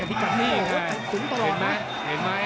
ต้องออกครับอาวุธต้องขยันด้วย